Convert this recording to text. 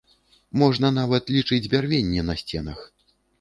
Можна нават лічыць бярвенні на сценах.